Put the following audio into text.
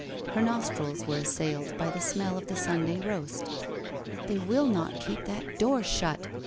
Her nostrils were assailed by the smell of the Sunday roast. ' 'They will not keep that door shut